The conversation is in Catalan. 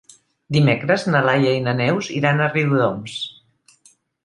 Dimecres na Laia i na Neus iran a Riudoms.